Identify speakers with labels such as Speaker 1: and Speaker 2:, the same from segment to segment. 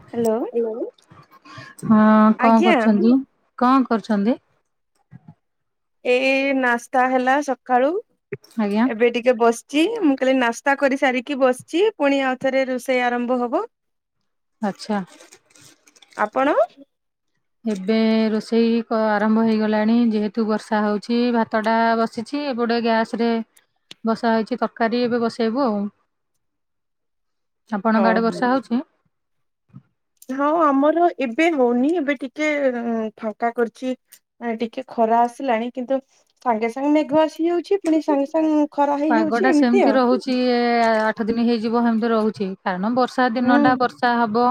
Speaker 1: Hello
Speaker 2: ହଁ କଁ
Speaker 1: ଆଜ୍ଞା
Speaker 2: କରୁଛନ୍ତି? କଁ କରୁଛନ୍ତି?
Speaker 1: ଏଇ ନାସ୍ତା ହେଲା ସକାଳୁ
Speaker 2: ଆଜ୍ଞା
Speaker 1: ଏବେ ଟିକେ ବସ୍ ଯେ ମୁଁ କାଲି ନାସ୍ତା କରି ସାରିକି ବସିଛି ପୁଣି ଆଉ ଥରେ ରୋଷେଇ ଆରମ୍ଭ ହବ।
Speaker 2: ଆଛା।
Speaker 1: ଆପଣ
Speaker 2: ଏବେ ରୋଷେଇ କ ଆରମ୍ଭ ହେଇଗଲାଣି ଯେହେତୁ ବର୍ଷା ହୋଉଛି ଭାତ ଟା ବସି ଛି ଏପଟେ ଗ୍ୟାସ୍ ରେ ବସା ହେଇଛି ତର୍କାରୀ ଏବେ ବସେଇବୁ ଆଉ। ଆପଣଙ୍କ ଆଡେ
Speaker 1: ଓହୋ
Speaker 2: ବର୍ଷା ହୋଉଛି?
Speaker 1: ହଁ ଆମର ଏବେ ହଉନି ଏବେ ଟିକେ ଫାଙ୍କା କରିଛି। ନାଁ ଟିକେ ଖରା ଆସିଲାଣି କିନ୍ତୁ ସାଙ୍ଗେ ସାଙ୍ଗେ ମେଘ ଆସିଯାଉ ଛିପୁଣି ସାଙ୍ଗ୍ ସାଙ୍ଗ୍ ଖରା ହେଇଯାଉଛି ଏମିତି ଆଉ।
Speaker 2: ଛି ଏ ଆଠ ଦିନ ହେଇଯିବ ହେମିତି ରହୁଛି କାରଣ ବର୍ଷା
Speaker 1: ହୁଁ
Speaker 2: ଦିନଟା ବର୍ ମା ହବ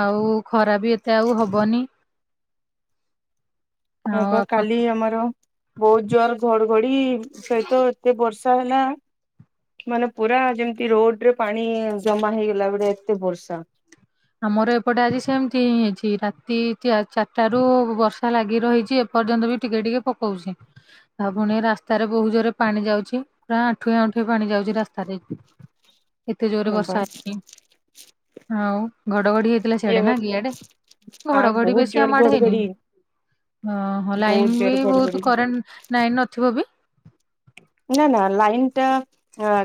Speaker 2: ଆଉ ଖରା ବି ଏତେ ଆଉ ହବନି। [inaudible]
Speaker 1: ହଁ ପା
Speaker 2: ଆପଣ
Speaker 1: କାଲି ଆମର ବୋହୁତ୍ ଜୋରେ ଘଡ୍ ଘଡି ସହିତ ଏତେ ବର୍ଷ୍ ହେଲା ମାନେ ପୁରା ଯେମ୍ତି ରୋଡ୍ ରେ ପାଣି ଜମା ହେଇଗ ଲା ବେଳେ ଏତେ ବର୍ଷା
Speaker 2: ହ [inaudible] ଆମର ଏପଟେ ଆଜି ସେମ୍ତି ହିଁ ହେଇଛି ରାତି ଏଠି ଚାର୍ଟା ରୁ ବର୍ଷା ଲାଗି ରହିଚି ଏ ଏପର୍ଯ୍ୟନ୍ତ ବି ଟିକେ ଟିକେ ପକୋଉଛି। ଆଉ ପୁଣି ରାସ୍ତାରେ ବୋହୁ ଜୋରେ ପାଣି ଯାଉଛି ପୁରା ଆଣ୍ଠୁଏ ଆଣ୍ଠୁଏ ପାଣି ଯାଉଛି ରାସ୍ତାରେ। ଏତେ ଜୋରେ
Speaker 1: ହଁ ବା
Speaker 2: ବର୍ଷା ହେ ଆଉ ଘଡଘଡି ହେଇଥିଲା
Speaker 1: ଏ
Speaker 2: ସେିଆଡେ ନା ଇଆଡେ।
Speaker 1: ଆ
Speaker 2: ଘଡଘଡି
Speaker 1: ବହୁତ
Speaker 2: ବେଶୀ
Speaker 1: ଜୋର
Speaker 2: ଆମ ଆଡ ହେଇନି
Speaker 1: ଘଡଘଡି
Speaker 2: ଓହୋ
Speaker 1: ବହୁତ
Speaker 2: ଲାଇନ
Speaker 1: ଜୋର
Speaker 2: ବି
Speaker 1: ଘଡଘଡି
Speaker 2: ବହୁତ କରେଣ୍ଟ। ଉଁ ନାଇଁ ନଥିବ ବି।
Speaker 1: ନା ନା ଲାଇନ ଟା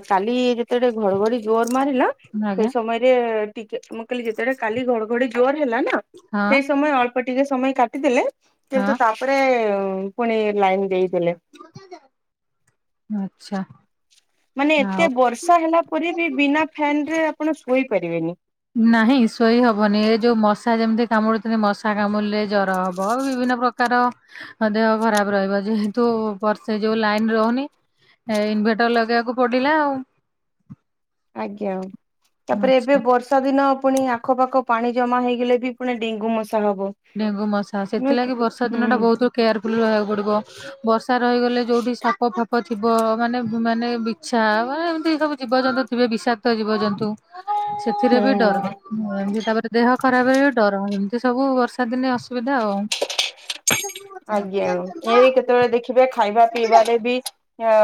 Speaker 1: କାଲି ଯେତେବେଳେ ଘଡଘଡି ଜୋର ମାରିଲା ସେ
Speaker 2: ଆଜ୍ଞା
Speaker 1: ସମୟ। ଟିକେ ମୁଁ କହିଲି ଯେତେବେଳେ କାଲି ଘଡଘଡି ଜୋର ହେଲା ନା
Speaker 2: ହଁ
Speaker 1: ସେଇ ସମୟ ଅଳ୍ପ। ଅଳ୍ପ ଟିକେ ସମୟ କାଟିଦେଲେ
Speaker 2: ହଁ
Speaker 1: କିନ୍ତୁ ତାପରେ ପୁଣି ଲାଇନ ଦେଇଦେଲେ।
Speaker 2: ଆଛା।
Speaker 1: ମାନେ ଏତେ ବର୍ଷା ହେଲା ପରେ ବି ବିନା ଫ୍ୟାନ ରେ ଆପଣ ଶୋଇ ପାରିବେନି।
Speaker 2: ନାହିଁ ଶୋଇ ହବନି ଏ ଯୋଉ ମଶା ଯେମିତି କାମୁଡୁଥିଲେ ମଶା କାମୁଡିଲେ ଜର ହବ ଆଉ ବିଭିନ୍ନ ପ୍ରକାର। ତାର ଦେହ ଖରାପ ରହିବ ଯେହେତୁ ବର୍ଷେ ଯୋଉ ଲାଇନ ରହୁନି। ଏ ଇନଭେଟର ଲଗେଇବାକୁ ପଡିଲା ଆଉ।
Speaker 1: ଆଜ୍ଞା ତାପରେ
Speaker 2: ଆଚ୍ଛା
Speaker 1: ଏବେ ବର୍ଷ। ବର୍ଷା ଦିନ ପୁଣି ଆଖପାଖ ପାଣି ଜମା ହେଇଗଲେ ବି ପୁଣି ଡେଙ୍ଗୁ ମଶା ହବ।
Speaker 2: ଡେଙ୍ଗୁ ମଶା
Speaker 1: ନୁହେଁ କି?
Speaker 2: ସେଥିଲାଗି ବର୍ଷା
Speaker 1: ହୁଁ
Speaker 2: ଦିନଟା ବହୁତ କେୟାରଫୁଲ୍ ରହିବାକୁ ପଡ଼ିବ। ବର୍ଷା ରହିଗଲେ ଯୋଉଠି ସାପ ଫାଫ। ସାଫ ଫାଫ ଥିବ ମାନେ ମାନେ ବିଛା ଏମିତି ସବୁ ଜୀବଜନ୍ତୁ ଥିବେ ବିଷାକ୍ତ ଜୀବଜନ୍ତୁ। ସେଥିରେ ବି ଡର ଏମତି ତାପରେ ଦେହ ଖରାପରେ ବି ଡର ଏମିତି ସବୁ ବର୍ଷ। ବର୍ଷା ଦିନେ ଅସୁବିଧା ଆଉ।
Speaker 1: ଆଜ୍ଞା ଏଇ କେତେବେଳେ ଦେଖିବେ ଖାଇବା ପିଇବାରେ ବି। ଅ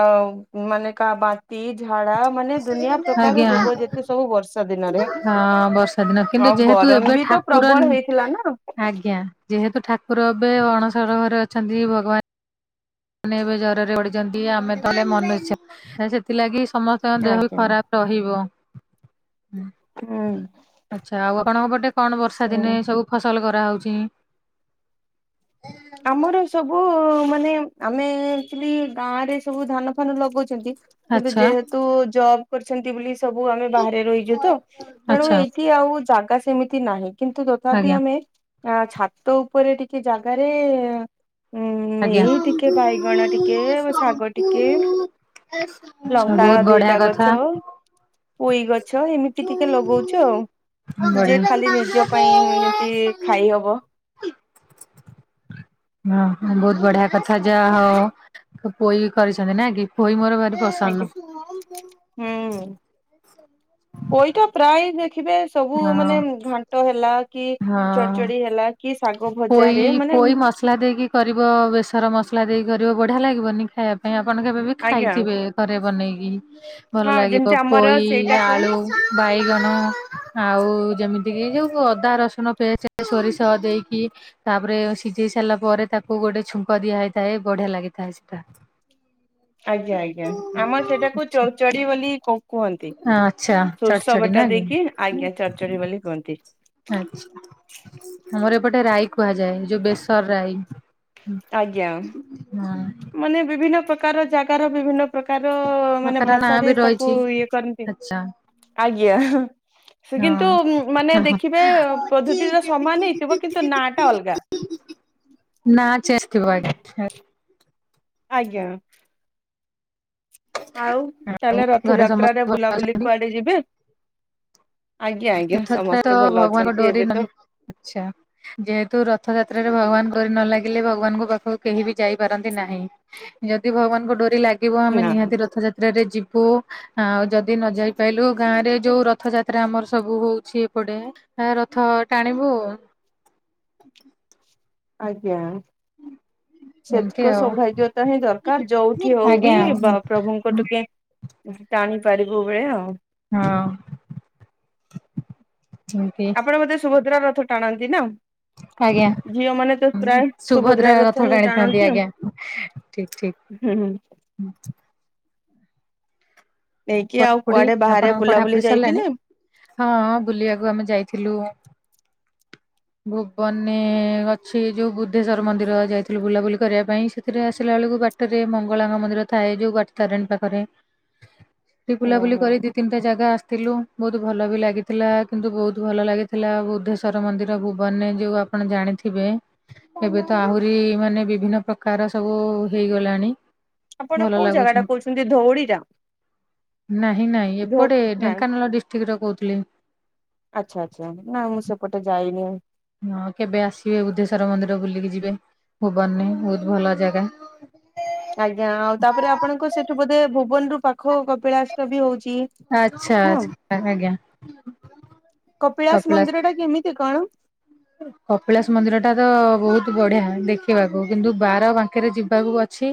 Speaker 1: ମାନେ କା ବା ବାନ୍ତି ଝାଡା ମାନେ ଦୁନିଆ ପ୍ରକାର
Speaker 2: ଆଜ୍ଞା।
Speaker 1: ରୋଗ ଯେତେ ସବୁ ବର୍ଷା ଦିନରେ।
Speaker 2: ହଁ ବର୍ଷା ଦିନ କିନ୍ତୁ
Speaker 1: ଆଉ
Speaker 2: ଯେହେତୁ
Speaker 1: ଗରମ
Speaker 2: ଏବେ
Speaker 1: ବି ତ
Speaker 2: ଠାକୁର
Speaker 1: ପ୍ରବଳ ହେଇଥିଲା ନା
Speaker 2: ଆଜ୍ଞା ଯେହେତୁ ଠାକୁର ଏବେ ଅଣସର ଘରେ ଅଛନ୍ତି ଭଗବାନ ମାନେ ଏବେ ଜ୍ୱରରେ ପଡିଛନ୍ତି ଆମେ ତାହଲେ ମନ ଇଚ୍ଛା ସେଥିଲାଗି ସମସ୍ତଙ୍କ ଦେହ ବି
Speaker 1: ଆଜ୍ଞା
Speaker 2: ଖରାପ। ରହିବ। ଆଚ୍ଛା, ଆଉ ଆପଣଙ୍କ ପଟେ କଣ ବର୍ଷା
Speaker 1: ହୁଁ।
Speaker 2: ଦିନେ ସବୁ ଫସଲ କରାହଉଛି।
Speaker 1: ଆମର ସବୁ ମାନେ ଆମେ ଆଚୂୟାଲି ଗାଁରେ ସବୁ ଧାନ ଫାନ ଲଗାଉଛନ୍ତି। କିନ୍ତୁ
Speaker 2: ଆଚ୍ଛା
Speaker 1: ଯେହେତୁ ଜବ କରିଛନ୍ତି ବୋଲି ସବୁ ଆମେ ବାହାରେ ରହିଛୁ ତ ତେଣୁ
Speaker 2: ଆଚ୍ଛା
Speaker 1: ଏଇ ସିଏଆଉ ଜାଗା ସେମିତି ନାହିଁ କିନ୍ତୁ ତଥାପି
Speaker 2: ଆଜ୍ଞା
Speaker 1: ଆମେ ଅ ଛାତ ଉପରେ ଟିକେ ଜାଗା। ରେ ଉ
Speaker 2: ଆଜ୍ଞା।
Speaker 1: ଏଇ ଟିକେ ବାଇଗଣ ଟିକେ ଶାଗ ଟିକେ
Speaker 2: ଆଚ୍ଛା
Speaker 1: ଲଙ୍କା
Speaker 2: ବହୁତ ବଢିଆ
Speaker 1: ଦିଟା ଗଛ।
Speaker 2: କଥା।
Speaker 1: ପୋଇ ଗଛ ଏମିତି ଟିକେ ଲଗଉଛୁ ଆଉ ଯେ
Speaker 2: ବଢିଆ।
Speaker 1: ଖାଲି ନିଜ ପାଇଁ ଯେମତି ଖାଇ ହବ।
Speaker 2: ହଁ ବହୁତ ବଢିଆ କଥା ଯାହା ହଉ ପୋଇ ବି କରିଛନ୍ତି ନା କି ପୋଇ ମୋର ଭାରି ପସନ୍ଦ।
Speaker 1: ଆଜ୍ଞା ହୁଁ ପୋଇ ତପ୍ରାୟ ଦେଖିବେ ସବୁ
Speaker 2: ହଁ
Speaker 1: ମାନେ ଘାଣ୍ଟ ହେଲା କି
Speaker 2: ହଁ
Speaker 1: ଚଢଚଡି ହେଲା କି ଶାଗ
Speaker 2: ପୋଇ
Speaker 1: ଭଜାରେ ମାନେ
Speaker 2: ପୋଇ ମସଲା ଦେଇକି କରିବ ବେସର ମସଲା ଦେଇକି କରିବ ବଢ଼ିଆ ଲାଗିବନି ଖାଇବାକୁ କାଇଁ ଆପଣ କେବେ ବି
Speaker 1: ଆଜ୍ଞା
Speaker 2: ଖାଇଥିବେ ଘରେ ବନେଇକି? ଭଲ
Speaker 1: ହଁ
Speaker 2: ଲାଗିବ
Speaker 1: ଯେମିତି ଆମର
Speaker 2: ପୋଇ
Speaker 1: ସେଇଟାକୁ
Speaker 2: ଆଳୁ ବାଇଗଣ। ଆଉ ଯେମିତି କିି ଯୋଉ ଅଦା ରସୁଣ ପେଷ୍ଟ ସୋରିଷ ଦେଇକି ତାପରେ ସିଝେଇ ସାରିଲା ପରେ ତାକୁ ଗୋଟେ ଛୁଙ୍କ ଦିଆ ହୋଇଥାଏ ବଢିଆ ଲାଗିଥାଏ ସେଟା
Speaker 1: ଆଜ୍ଞା ଆଜ୍ଞା ଆମର ସେଟାକୁ ଚଢ ଚଢି ବୋଲି କୁହନ୍ତି
Speaker 2: ଆଚ୍ଛା।
Speaker 1: ଶୋରିଷ
Speaker 2: ଚଡଚଡି ନା
Speaker 1: ବଟା
Speaker 2: କି
Speaker 1: ଦେଇକି ଆଜ୍ଞା ଚଢଚଢିବୋଲି କୁହନ୍ତି
Speaker 2: ଆଛା ଆମର ଏପଟେ ରାଇ କୁହାଯାଏ ଯୋଉ ବେସର ରାଇ।
Speaker 1: ଆଜ୍ଞା
Speaker 2: ହଁ
Speaker 1: ମାନେ ବିଭିନ୍ନ ପ୍ରକାର ଜାଗାର ବିଭିନ୍ନ ପ୍ରକାର ମାନେ
Speaker 2: ପ୍ରକାର ନାଁ
Speaker 1: ଭାଷାରେ
Speaker 2: ବି
Speaker 1: ତାକୁ
Speaker 2: ରହିଛି
Speaker 1: ଇଏ କରନ୍ତି
Speaker 2: ଆଚ୍ଛା।
Speaker 1: ଆଜ୍ଞା ସେ
Speaker 2: ହଁ
Speaker 1: କିନ୍ତୁ ମାନେ
Speaker 2: ହଁ।
Speaker 1: ଦେଖିବେ ପଦ୍ଧତିର ସମାନ ହେଇଥିବ କିନ୍ତୁ ନା ଟା ଅଲଗା
Speaker 2: ନାଚେସେ ଥିବ ହାରି
Speaker 1: ଆଜ୍ଞା ଆଉ
Speaker 2: ଆଉ
Speaker 1: ତାହେଲେ
Speaker 2: ଘରେ ସମସ୍ତେ
Speaker 1: ରଥଯାତ୍ରାରେରେ
Speaker 2: ଭଲ
Speaker 1: ବୁଲାବୁଲି
Speaker 2: ଅଛନ୍ତି?
Speaker 1: କୁଆଡେ ଯିବେ ଆଜ୍ଞା ଆଜ୍ଞା ସମସ୍ତେ ଭଲ ଅଛନ୍ତି ଏବେ ତ
Speaker 2: ଆଚଛା ଯେହେତୁ ରଥଯାତ୍ରାରେ ଭଗବାନ କରି ନ ଲାଗିଲେ ଭଗବାନଙ୍କ ପାଖକୁ କେହି ବି ଯାଇପାରନ୍ତି ନାହିଁ ଯଦି ଭଗବାନଙ୍କ ଡୋରି ଲାଗିବ ଆମେ
Speaker 1: ନା
Speaker 2: ନିହାତି ରଥଯାତ୍ରରେ ଯିବୁ ଆଉ ଯଦି ନ ଯାଇ ପାଇଲୁ ଗାଁ ରେ ଯୋଉ ରଥ ଯାତ୍ରା ଆମର ସବୁ ହଉଛି ଏପଟେ ଏ ରଥ ଟାଣିବୁ ଆ
Speaker 1: ଆଜ୍ଞା
Speaker 2: ହୁଁ
Speaker 1: ସେତିକ ସୌଭାଗ୍ୟତା ହିଁ ଦରକାର ଯୋଉଠି ହଉ ବି
Speaker 2: ଆଜ୍ଞା।
Speaker 1: ବା ପ୍ରଭୁଙ୍କ ଟିକେ ଟାଣିପାରିବୁ ବଳେ ଆଉ
Speaker 2: ହଁତି
Speaker 1: ଆପଣ ମତେ ସୁଭଦ୍ରା ରଥ ଟାଣନ୍ତି ନା
Speaker 2: ଆଜ୍ଞା।
Speaker 1: ଝିଅ ମାନେ ତ ପ୍ରାୟ ସୁଭଦ୍ରା ରଥ ହିଁ ଟାଣନ୍ତି ଆଉ ହୁଁ ହୁଁ
Speaker 2: ହୁଁ
Speaker 1: ନେଇକି ଆଉ
Speaker 2: କଢାପୁଡି
Speaker 1: କୁଆଡେ ବାହାରେ
Speaker 2: ଆପଣଙ୍କ
Speaker 1: ବୁଲାବୁଲି
Speaker 2: କଢାପୁଢି ସରିଲାଣି
Speaker 1: ଯାଇଥିଲେ?
Speaker 2: ହଁ ବୁଲିବାକୁ ଆମେ ଯାଇଥିଲୁ ଭୁବନ ଅଛି ଯୋଉ ବୁଦ୍ଧେଶ୍ଵର ମନ୍ଦିର ଯାଇଥିଲୁ ବୁଲାବୁଲି କରିବା ପାଇଁ ସେଥିରେ ଆସିଲା ବେଳକୁ ବାଟ- ଟ ରେ ମଙ୍ଗଳାଙ୍ଗ ମନ୍ଦିର ଥାଏ ଯୋଉ କାଟି ତାରଣୀ ପାଖରେ ସେଠ ବୁଲାବୁଲି
Speaker 1: ଓହୋ
Speaker 2: କରି ଦି ତିନି ଗୋଟେ ଜାଗା ଆସିଥିଲୁ ବହୁତ ଭଲ ବି ଲାଗିଥିଲା କିନ୍ତୁ ବହୁତ ଭଲ ଲାଗିଥିଲା ବୁଧେ ଈ୍ୱର ମନ୍ଦିର ଭୁବନରେ ଯୋଉ ଆପଣ ଜାଣିଥିବେ ଏବେ ତ ଆହୁରି ମାନେ ବିଭିନ୍ନ ପ୍ରକାର ସବୁ ହେଇଗଲାଣି
Speaker 1: ଆପଣ
Speaker 2: ଭଲ
Speaker 1: କୋଉ ଜାଗା
Speaker 2: ଲାଗୁଛି।
Speaker 1: ଟା କହୁଛନ୍ତି ଧଉଡି ଟା
Speaker 2: ନାଇଁ ନାଇଁ
Speaker 1: ଧଉ
Speaker 2: ଏପଟେ
Speaker 1: ନାଇଁ
Speaker 2: ଢେଙ୍କାନାଳ ଡିଷ୍ଟ୍ରିକ୍ଟରେ କହୁଥିଲେ
Speaker 1: ଆଚ୍ଛା ଆଚଛା ନା ମୁଁ ସେପଟେ ଯାଇନି
Speaker 2: ହଁ କେବେ ଆସିବେ ବୁଦ୍ଧେଶ୍ୱର ମନ୍ଦିର ବୁଲିକି ଯିବେ ଭୁବନରେ ବହୁତ ଭଲ ଜାଗା
Speaker 1: ଆଜ୍ଞା ଆଉ ତାପରେ ଆପଣଙ୍କ ସେଠୁ ବୋଧେ ଭୁବନ ରୁ ପାଖ କପିଳାଷ୍ଟ ବି ହଉଛି ନା।
Speaker 2: ଆଚ୍ଛାଛା ଆଜ୍ଞା
Speaker 1: କପିଳାସ ମନ୍ଦିର ଟା କେମିତି କଣ?
Speaker 2: ହୁଁ କପିଳାସ ମନ୍ଦିର ଟା ତ ବହୁତ ବଢିଆ ଦେଖିବାକୁ କିନ୍ତୁ ବାର ପାଖରେ ଯିବାକୁ ଅଛି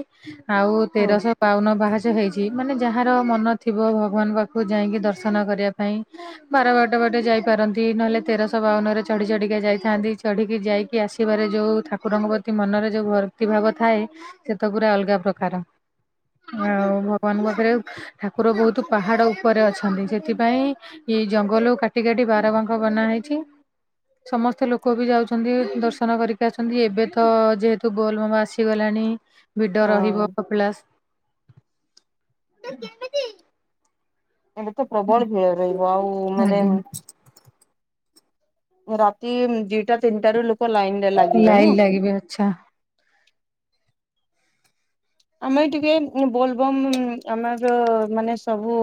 Speaker 2: ଆଉ
Speaker 1: ହୁଁ।
Speaker 2: ତେରଶହ ପାଉନ ବାହାଚ ହେଇଛି ମାନେ ଯାହାର ମନ ଥିବ ଭଗବାନଙ୍କ ପାଖକୁ ଯାଇକି ଦର୍ଶନ କରିବା ପାଇଁ ବାର ବାରଟା ବାଟେ ଯାଇ ପାରନ୍ତି ନହେଲେ ତେରଶହ ବାଉନ ରେ ଚଢି ଚଢିକା ଯାଇ ଥାଆନ୍ତି ଚଢ଼ିକି ଯାଇକି ଆସିବାରେ ଯେଉଁ ଠାକୁରଙ୍କ ପ୍ରତି ମନରେ ଯେଉଁ ଭକ୍ତି ଭାବ ଥାଏ ସେ ତ ପୁରା ଅଲଗା ପ୍ରକାର ଆଉ
Speaker 1: ଆଜ୍ଞା।
Speaker 2: ଭଗବାନଙ୍କ ଉପରେ ଠାକୁର ବହୁତ ପାହାଡ଼ ଉପରେ ଅଛନ୍ତି ସେଥିପାଇଁ ଏଇ ଜଙ୍ଗଲରୁ କାଟି କାଟି ବାରବାଙ୍କ ବନା ହେଇଛି ସମସ୍ତ ଏତେ ଲୋକ ବି ଯାଉଛନ୍ତି ଦର୍ଶନ କରିକି ଆସଛନ୍ତି ଏବେ ତ ଯେହେତୁ ବୋଲମମ ଆସିଗଲାଣି ଭିଡ ରହିବ
Speaker 1: ହଁ
Speaker 2: କପିଳାସ। ମୁଁ ଯିମିକି?
Speaker 1: ଏବେ ତ ପ୍ରବଳ ଭିଡ଼ ରହିବ। ଆଉ ମାନେ
Speaker 2: ଆଜ୍ଞା।
Speaker 1: ରାତି ଦିଟା ତିନିଟା ରୁ ଲୋକ ଲାଇନରେ ଲାଗିବେ ନା।
Speaker 2: ଏଛା।
Speaker 1: ଆମେ ଟିକେ ବୋଲବମ୍ ଆମାଜ ମାନେ ସବୁ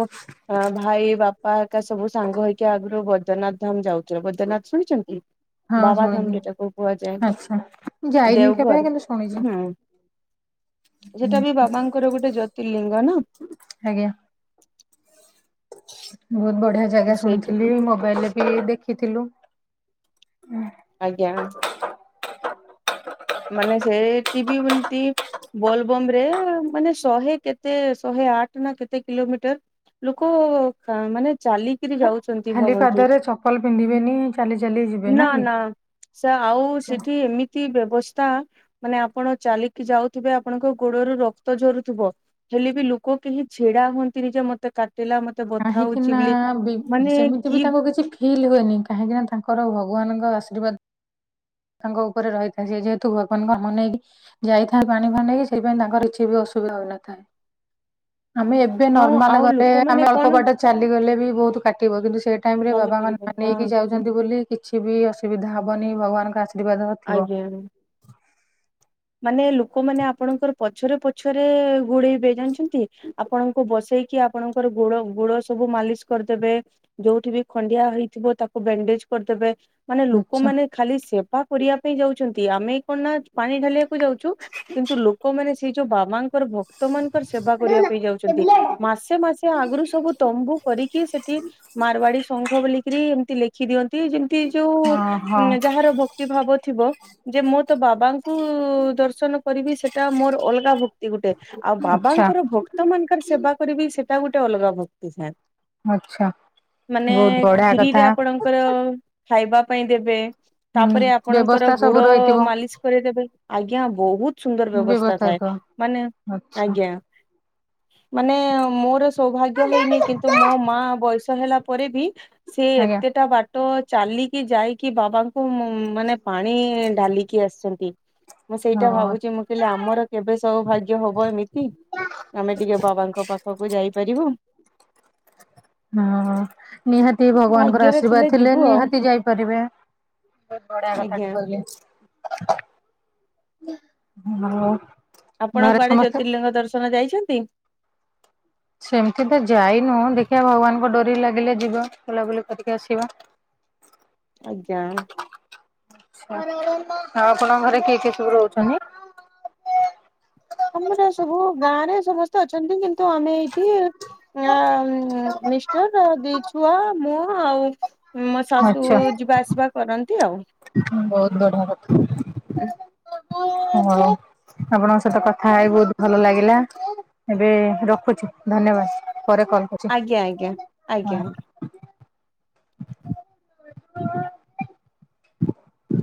Speaker 1: ଭାଇ ବାପା ଏକା ସବୁ ସାଙ୍ଗ ହେଇକି ଆଗରୁ ବୈଦନାଥ ଧାମ ଯାଉ। ଜୟ ବଦ୍ରନାଥ ଶୁଣିଚନ୍ତି?
Speaker 2: ହଁ
Speaker 1: ବାବା
Speaker 2: ଶୁଣିଛି
Speaker 1: ଧାମଲିଟା କୁ
Speaker 2: ଆଚ୍ଛା।
Speaker 1: କୁହାଯାଏ
Speaker 2: ଯାଇନି କେବେ
Speaker 1: ଦେଓଗଡ଼।
Speaker 2: କିନ୍ତୁ ଶୁଣିଛି
Speaker 1: ହୁଁ। ସେଟା ବି
Speaker 2: ହୁଁ,
Speaker 1: ବାବାଙ୍କର ଗୋଟେ ଜ୍ୟୋତିର୍ଲିଙ୍ଗ ନା?
Speaker 2: ଆଜ୍ଞା। ବହୁତ ବଢିଆ ଜାଗା
Speaker 1: ସେଇଠି
Speaker 2: ଶୁଣିଥିଲି ମୋବାଇଲ ରେ ବି ଦେଖିଥିଲୁ।
Speaker 1: ଆଜ୍ଞା। ମାନେ ସେ ଟିଭି ହୁନ୍ତି ଏତି ବୋଲ ବମରେ ମାନେ ଶହେ କେତ ତେ ଶହେ ଆଠ ନା କେତେ କିଲୋମିଟର ଲୋକ କାଁ ମାନେ ଚାଲି କିରି
Speaker 2: ଖା-
Speaker 1: ଯାଉଚନ୍ତି
Speaker 2: ଖାଲି
Speaker 1: ଭାବନ୍ତୁ।
Speaker 2: ପାଦରେ ଚପଲ ପିନ୍ଧିବେନି ଚାଲି ଚାଲି ଯିବେ
Speaker 1: ନା
Speaker 2: କି?
Speaker 1: ନା। ସେ ଆଉ
Speaker 2: ଆଚ୍ଛା।
Speaker 1: ସେଠି ଏମିତି ବ୍ୟବସ୍ ସ୍ତା ମାନେ ଆପଣ ଚାଲିକି ଯାଉଥିବେ ଆପଣଙ୍କ ଗୋଡରୁ ରକ୍ତ ଝରୁଥୁବ। ହେଲେ ବି ଲୋକ କେହି ଛିଡା ହୁଅନ୍ତିନି ଯେ ମତେ କାଟିଲା ମତ
Speaker 2: କାହିଁକି ନା ସେମିତି ବି ସେମିତି ବି
Speaker 1: କି
Speaker 2: ତାଙ୍କୁ କିଛି ଫିଲ୍ ହୁଏନି। କାହିଁକିନା ତାଙ୍କର ଭଗବାନଙ୍କ ଆଶୀର୍ବାଦ ତାଙ୍କ ଉପରେ ରହିଥାନ୍ତି ଯେ ଯେହେତୁ ଭଗବାନଙ୍କୁ ମନେଇକି ଯାଇଥାଏ ପାଣି ଭାର ନେଇକି ସେଇପାଇଁ ତାଙ୍କର କିଛି ବି ଅସୁବିଧା ହୋଇନଥାଏ। ଆମେ ଏବେ
Speaker 1: ହଁ
Speaker 2: ନର୍ମାଲ
Speaker 1: ଆଉ
Speaker 2: ଗଲେ
Speaker 1: ଲୋକମାନେ
Speaker 2: ଆମେ ଅଳ୍ପ
Speaker 1: କଣ
Speaker 2: ବାଟ ଚାଲିଗଲେ ବି ବହୁତ କାଟିବ। କିନ୍ତୁ ସେଇ ଟାଇମ ରେ
Speaker 1: ଚାଲିପାରିବେ
Speaker 2: ବାବାଙ୍କ
Speaker 1: ନା
Speaker 2: ନେଇକି ଯାଉଥ ଦାଦି ବୋଲି କିଛି ବି ଅସୁବିଧା ହବନି ଭଗବାନଙ୍କ ଆଶୀର୍ବାଦ ଥିବ।
Speaker 1: ଆଜ୍ଞା। ମାନେ ଲୋକମାନେ ଆପଣଙ୍କର ପଛରେ ପଛରେ ଗୋଡେଇବେ ଜାଣିଛନ୍ତି? ଆପଣଙ୍କୁ ବସେଇକି ଆପଣଙ୍କର ଗୋଡ ଗୋଡ ସବୁ ମାଲିସ କରଦେବେ। ଯୋଉଠି ବି ଖଣ୍ଡିଆ ହେଇଥିବ ତାକୁ ବ୍ୟାଣ୍ଡେଜ କରଦେବେ। ମାନେ
Speaker 2: ଆଚ୍ଛା।
Speaker 1: ଲୋକମାନେ ଖାଲି ସେବା କରିବା ପାଇଁ ଯାଉଛନ୍ତି। ଆମେ କଣ ନା ପାଣି ଢାଳିବାକ ଯାଉଛୁ କିନ୍ତୁ ଲୋକମାନେ ସେଇ ଯୋଉ ବାବାଙ୍କର ଭକ୍ତ ମାନଙ୍କର ସେବା କରିବା ପାଇଁ
Speaker 2: ହଁ
Speaker 1: ଯାଉଛନ୍ତି। ମାସେ ମାସେ ଆଗରୁ ସବୁ ତମ୍ବୁ କରିକି ସେଠି ମାରବାଡି ଶଙ୍ଘ ବୋଲିକିରି ଏମିତି ଲେ ଖି ଦିଅନ୍ତି ଯେମତି ଯୋଉ
Speaker 2: ହଁ
Speaker 1: ଯାହାର ଭକ୍ତି ଭାବ ଥିବ। ଯେ ମୁଁ ତ ବାବାଙ୍କୁ କୋ ଦର୍ଶନ କରିବି ସେଟା ମୋର ଅଲଗା ଭକ୍ତି ଗୋଟେ। ଆଉ
Speaker 2: ଆଚ୍ଛା
Speaker 1: ବାବାଙ୍କର ଭକ୍ତ ମାନଙ୍କର ସେବା କରିବି ସେଟା ଗୋଟେ ଅଲଗା ଭକ୍ ଇସାନ
Speaker 2: ଆଚ୍ଛା
Speaker 1: ମାନେ
Speaker 2: ବହୁତ ବଢିଆ
Speaker 1: ଫ୍ରିରେ
Speaker 2: କଥା।
Speaker 1: ଆପଣଙ୍କ ଙ୍କର ଖାଇବା ପାଇଁ ଦେବେ।
Speaker 2: ହୁଁ
Speaker 1: ତାପରେ ଆପଣଙ୍କର
Speaker 2: ବ୍ୟବସ୍ଥା
Speaker 1: ଗୋଡ
Speaker 2: ସବୁ ରହିଥିବ
Speaker 1: ମାଲିସ କରିଦେବେ। ଆଜ୍ଞା ବହୁତ ସୁନ୍ଦର ବ୍ୟବସ୍ଥା ଥାଏ ମାନେ
Speaker 2: ଆଚ୍ଛା।
Speaker 1: ଆଜ୍ଞା। ମାନେ ମୋର ସୌଭାଗ୍ୟ ହେଇନି। କିନ୍ତୁ ମୋ ମା ବୟସ ସ ହେଲା ପରେ ବି ସେ
Speaker 2: ଆଜ୍ଞା
Speaker 1: ଏତେଟା ବାଟ ଚାଲିକି ଯାଇକି ବାବାଙ୍କ ଙ୍କୁ ମାନେ ପାଣି ଢାଲିକି ଆସିଛନ୍ତି। ମୁଁ ସେଇଟା
Speaker 2: ହଁ।
Speaker 1: ଭାବୁଚି ମୁଁ କଇଲି ଆମର କେବେ ସୌଭାଗ୍ୟ ହବ ଏମିତି। ଆମେ ଟିକେ ବାବାଙ୍କ ପାଖକୁ ଯାଇପାରିବୁ।
Speaker 2: [inaudible] ହଁ ନିହାତି ଭଗବାନଙ୍କର
Speaker 1: ଭାଗ୍ୟରେ
Speaker 2: ଆଶୀର୍ବାଦ ଥିଲେ
Speaker 1: ଯିବୁ ଆଉ
Speaker 2: ନିହାତି ଯାଇପାରିବେ। ବଢିଆ କଥା
Speaker 1: ଆଜ୍ଞା
Speaker 2: ଟେ କଇଲେ ଆଉ।
Speaker 1: ଆପଣ
Speaker 2: ଘରେ
Speaker 1: କୁଆଡେ
Speaker 2: ସମସ୍ତେ
Speaker 1: ଜ୍ୟୋତିର୍ଲିଙ୍ଗ ଦର୍ଶନ ଯାଇଛନ୍ତି?
Speaker 2: ସେମିତି ତ ଯାଇନୁଁ, ଦେଖିବା ଭଗବାନଙ୍କ ଡୋରି ଲାଗିଲେ ଯିବା। ବୁଲାବୁଲି କରିକି ଆସିବା। [inaudible]
Speaker 1: ଆଜ୍ଞା।
Speaker 2: ଆଛା, ଆଉ ଆପଣଙ୍କ ଘରେ କିଏ କିଏ ସବୁ ରହୁଛନ୍ତି?
Speaker 1: ଆମର ସବୁ ଗାଁରେ ସମସ୍ତେ ଅଛନ୍ତି। କିନ୍ତୁ ଆମେ ଏଇଠି ନିଷ୍ଠା ତା ଦି ଛୁଆ ମୁଁ ଆଉ ମୋ ଶାଶୁ
Speaker 2: ଆଚ୍ଛା
Speaker 1: ଯିବା ଆସିବା କରନ୍ତି ଆଉ।
Speaker 2: ବହୁତ ବଢିଆ କଥା, ହଁ। ଆପଣଙ୍କ ସହିତ କଥା ହେଇ ବହୁତ ଭଲ ଲାଗିଲା। ଏବେ ରଖୁଚି। ଧନ୍ୟବାଦ, ପରେ କଲ୍ କ
Speaker 1: ଆଜ୍ଞା, ଆଜ୍ଞା, ଆଜ୍ଞା।
Speaker 2: [inaudible] [unintelligible]